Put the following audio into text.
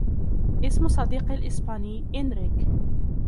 إسم صدقي الإسباني إنريك.